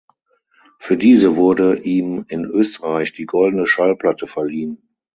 Für diese wurde ihm in Österreich die goldene Schallplatte verliehen.